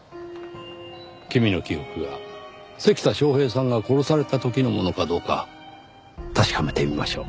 君の記憶が関田昌平さんが殺された時のものかどうか確かめてみましょう。